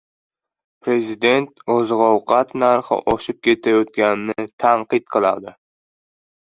Prezident oziq-ovqat narxi oshib ketayotganini tanqid qildi